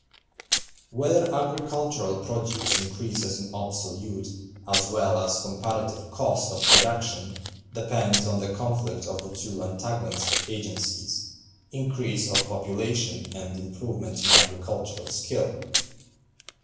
Whether agricultural produce increases in absolute as well as comparative cost of production depends on the conflict of the two antagonist agencies—increase of population and improvement in agricultural skill.